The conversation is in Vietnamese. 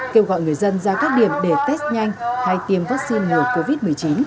kêu gọi người dân ra các điểm để test nhanh hay tiêm vaccine ngừa covid một mươi chín